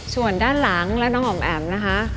ส่วนด้านหลังและน้องอ๋อมแอ๋มนะคะ